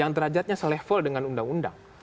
yang derajatnya selevel dengan undang undang